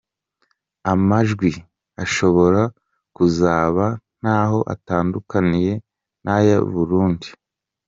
Amajwi ashobora kuzaba ntaho atandukaniye n’aya burundu.